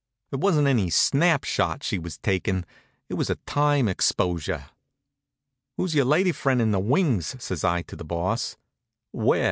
It wasn't any snap shot she was takin', it was a time exposure. "Who's your lady friend in the wings?" says I to the Boss. "Where?"